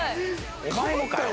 お前もかよ。